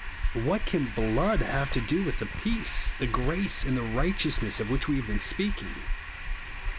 Whai: can hloocl have to do with the peace, the grace, and the righteousness of which we have been speaking